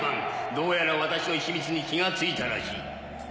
どうやら私の秘密に気が付いたらしい。